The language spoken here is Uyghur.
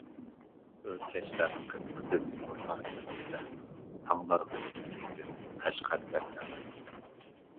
ئۆركەشلە قىپقىزىل نۇرلار ئەۋجىدە تاڭلارغا كۈي قېتىپ قەشقەر دەرياسى!